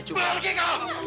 aku akan membunuhmu